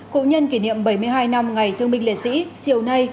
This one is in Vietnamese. cụ nhân kỷ niệm bảy mươi hai năm ngày thương binh liệt sĩ chiều nay